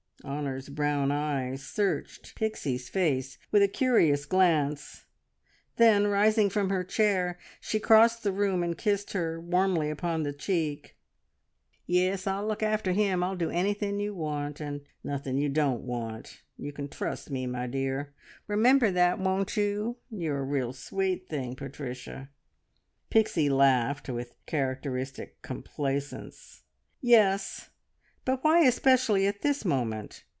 Honor's brown eyes searched Pixie's face with a curious glance. Then, rising from her chair, she crossed the room and kissed her warmly upon the cheek. "Yes, I'll look after him. I'll do anything you want, and nothing you don't want. You can trust me, my dear. Remember that, won't you? You're a real sweet thing, Patricia!" Pixie laughed with characteristic complacence. "Yes; but why especially at this moment?